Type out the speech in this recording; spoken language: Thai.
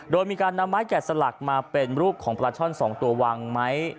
โดยมีการนำไม้แกะสลักมาเป็นรูปของปลาช่อน๒ตัววางไหม